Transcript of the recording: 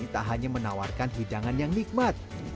tak hanya menawarkan hidangan yang nikmat